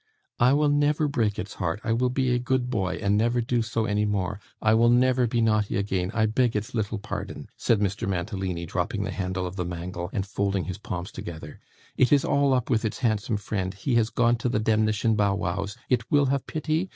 'I will never break its heart, I will be a good boy, and never do so any more; I will never be naughty again; I beg its little pardon,' said Mr. Mantalini, dropping the handle of the mangle, and folding his palms together; 'it is all up with its handsome friend! He has gone to the demnition bow wows. It will have pity?